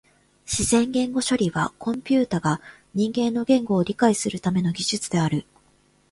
自然言語処理はコンピュータが人間の言語を理解するための技術である。